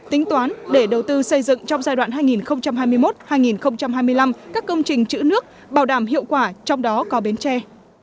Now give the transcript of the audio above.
tính toán để đầu tư xây dựng trong giai đoạn hai nghìn hai mươi một hai nghìn hai mươi năm các công trình chữ nước bảo đảm hiệu quả trong đó có bến tre